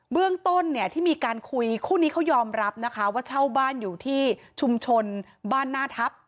เรื่องต้นเนี่ยที่มีการคุยคู่นี้เขายอมรับนะคะว่าเช่าบ้านอยู่ที่ชุมชนบ้านหน้าทัพ